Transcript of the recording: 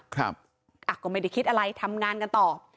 ก็ไม่ได้คิดอะไรทำงานกันต่อ